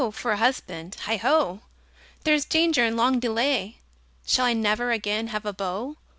for a husband! Heigh ho! There's danger in longer delay! Shall I never again have a beau?